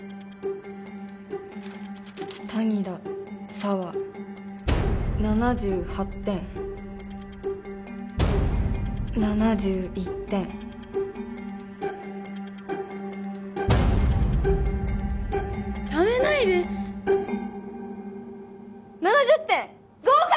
谷田紗羽７８点７１点ためないで７０点合格！